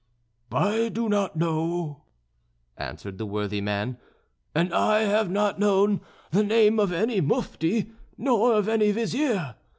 "I do not know," answered the worthy man, "and I have not known the name of any Mufti, nor of any Vizier.